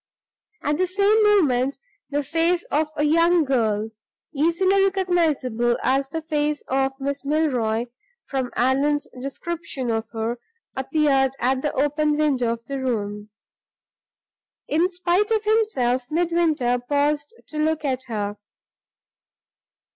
At the same moment, the face of a young girl (easily recognizable as the face of Miss Milroy, from Allan's description of her) appeared at the open window of the room. In spite of himself, Midwinter paused to look at her.